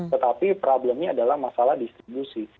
tetapi problemnya adalah masalah distribusi